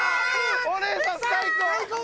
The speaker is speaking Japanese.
お姉さん最高！